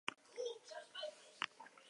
Donostian kokatuta dago, Zorroaga auzoan.